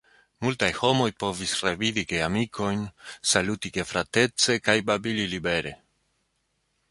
Multaj homoj povis revidi geamikojn, saluti gefratece, kaj babili libere.